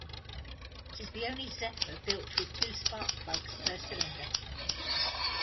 It is the only Zephyr built with two spark plugs per cylinder.